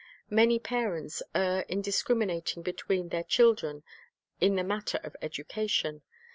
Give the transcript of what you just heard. Many parents err in discriminating between their children in the matter of education.